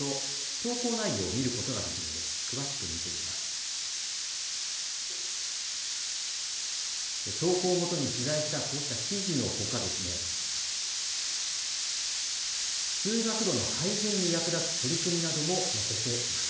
投稿をもとに取材したこうした記事のほか通学路の改善に役立つ取り組みなども載せています。